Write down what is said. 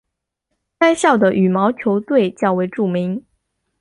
该校的羽毛球校队较为著名。